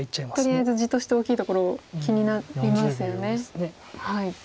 とりあえず地として大きいところ気になりますよね。